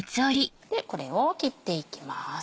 でこれを切っていきます。